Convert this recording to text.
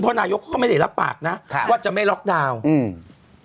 คือพอนายกก็ไม่ได้รับปากนะว่าจะไม่ล็อคดาวน์